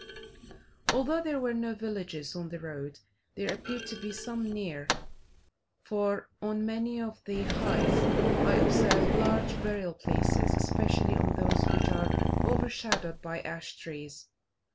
Although there were no villages on the road, there appeared to be some near, for on many of the heights I observed large burial places, especially on those which are overshadowed by ash trees.